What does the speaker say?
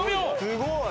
すごい！